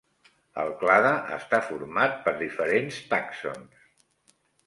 El clade està format per diferents tàxons.